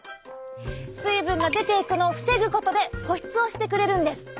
水分が出ていくのを防ぐことで保湿をしてくれるんです。